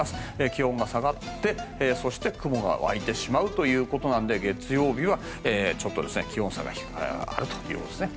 気温が下がって、そして雲が湧いてしまうということなので月曜日はちょっと気温差があるということですね。